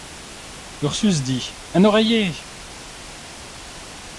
Ursus dit :— Un oreiller !